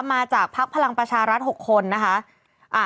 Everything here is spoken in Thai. มาจากภักดิ์พลังประชารัฐ๖คนนะคะ